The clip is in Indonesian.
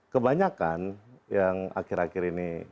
kebanyakan yang akhir akhir ini